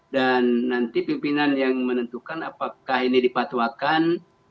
dan nanti pimpinan yang menentukan apakah ini dipatuakan